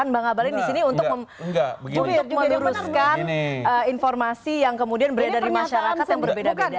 mbak ngabalin disini untuk menuruskan informasi yang kemudian berada di masyarakat yang berbeda beda